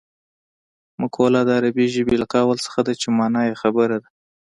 مقوله د عربي ژبې له قول څخه ده چې مانا یې خبره ده